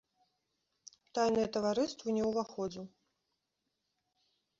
У тайныя таварыствы не ўваходзіў.